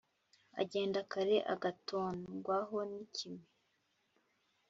Agenda kare agatondwaho n’ikime